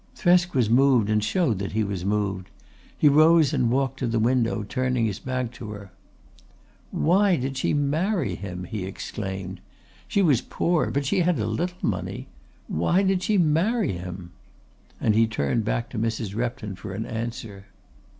Thresk was moved and showed that he was moved. He rose and walked to the window, turning his back to her. "Why did she marry him?" he exclaimed. "She was poor, but she had a little money. Why did she marry him?" and he turned back to Mrs. Repton for an answer.